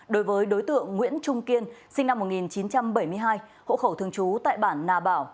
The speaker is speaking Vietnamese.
đối với đối tượng nguyễn trung kiên sinh năm một nghìn chín trăm bảy mươi hai hộ khẩu thường trú tại bản nà bảo